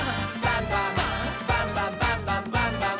バンバン」「バンバンバンバンバンバン！」